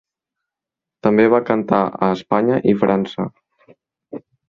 També va cantar a Espanya i França.